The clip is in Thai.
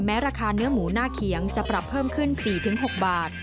ราคาเนื้อหมูหน้าเขียงจะปรับเพิ่มขึ้น๔๖บาท